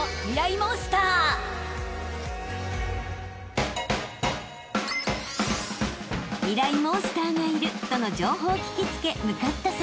モンスターがいるとの情報を聞き付け向かった先は］